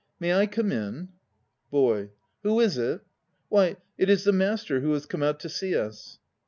May I come in? BOY. Who is it? Why, it is the Master who has come out to see us!